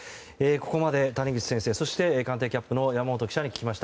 ここまで、谷口先生そして、官邸キャップの山本記者に聞きました。